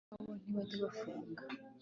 ngo karibu iwabo ntibajya bafunga